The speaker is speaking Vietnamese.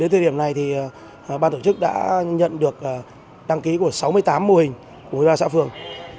đến thời điểm này thì ban tổ chức đã nhận được đăng ký của sáu mươi tám mô hình của mô hình ra xã phường